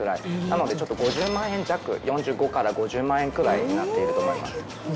なのでちょっと５０万円弱４５から５０万円くらいになっていると思います。